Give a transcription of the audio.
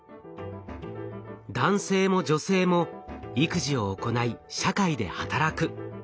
男性も女性も育児を行い社会で働く。